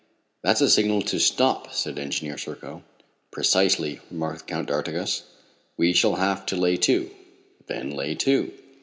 "That's a signal to stop," said Engineer Serko. "Precisely," remarked the Count d'Artigas. "We shall have to lay to." "Then lay to."